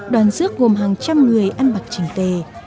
đoàn rước gồm hàng trăm người ăn mặc trình tề